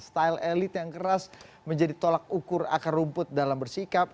style elit yang keras menjadi tolak ukur akar rumput dalam bersikap